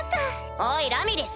おいラミリス！